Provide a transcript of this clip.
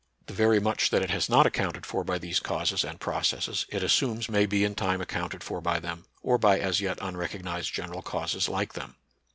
The very much that it has not accounted for by these causes and processes, it assumes may be in time accounted for by them, or by as yet unrecognized general causes like them.